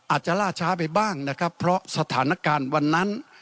อาจจะล่าช้าไปบ้างนะครับเพราะสถานการณ์วันนั้น